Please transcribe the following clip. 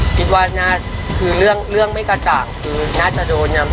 คิดว่าน่าคือเรื่องเรื่องไม่กระจ่างคือน่าจะโดนเนี้ย